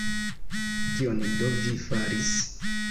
Kion do vi faris?